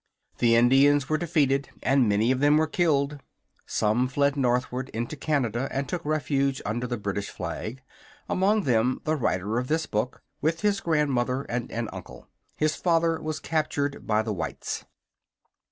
The Indians were defeated and many of them were killed. Some fled northward into Canada and took refuge under the British flag, among them the writer of this book, with his grandmother and an uncle. His father was captured by the whites.